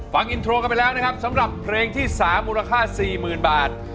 ฟังอินโทรกันไปแล้วนะครับสำหรับเพลงที่๓มูลค่า๔๐๐๐บาท